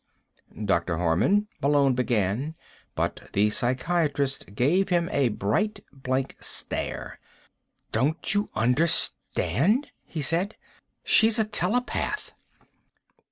"Dr. Harman," Malone began, but the psychiatrist gave him a bright blank stare. "Don't you understand?" he said. "She's a telepath."